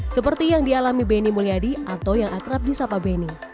seperti yang dialami beni mulyadi atau yang akrab di sapa beni